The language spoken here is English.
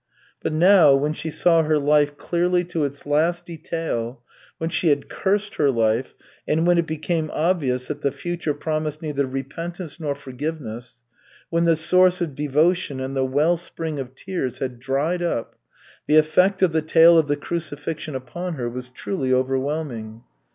But now when she saw her life clearly to its last detail, when she had cursed her life and when it became obvious that the future promised neither repentance nor forgiveness, when the source of devotion and the well spring of tears had dried up, the effect of the tale of the Crucifixion upon her was truly overwhelming.